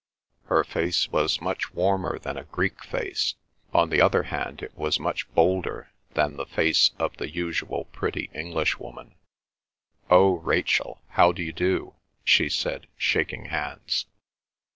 Her face was much warmer than a Greek face; on the other hand it was much bolder than the face of the usual pretty Englishwoman. "Oh, Rachel, how d'you do," she said, shaking hands.